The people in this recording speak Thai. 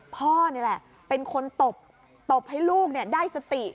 พ่อนี่แหละเป็นคนตบตบให้ลูกได้สติ